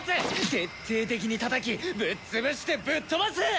徹底的に叩きぶっ潰してぶっ飛ばす！